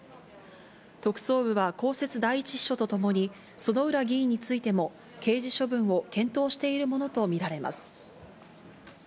特捜部は公設第１秘書とともに、薗浦議員についても、刑事処分を検討しているものと見られます。